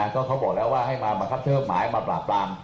ก็เขาบอกแล้วว่าให้มาบังคับเชิดหมายมาปราบปราม